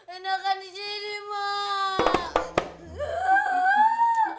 enakan di sini mak